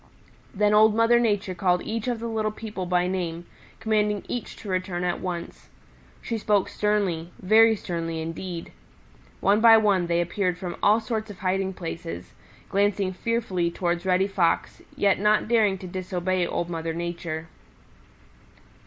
Then Old Mother Nature called each of the little people by name, commanding each to return at once. She spoke sternly, very sternly indeed. One by one they appeared from all sorts of hiding places, glancing fearfully towards Reddy Fox, yet not daring to disobey Old Mother Nature.